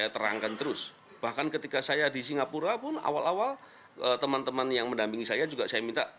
terangkan terus bahkan ketika saya di singapura pun awal awal teman teman yang mendampingi saya juga saya minta